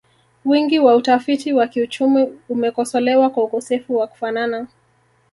Wingi wa utafiti wa kiuchumi umekosolewa kwa ukosefu wa kufanana